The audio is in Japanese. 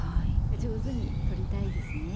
上手にとりたいですね。